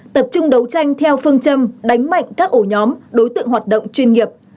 tập trung đấu tranh theo phương châm đánh mạnh các ổ nhóm đối tượng hoạt động chuyên nghiệp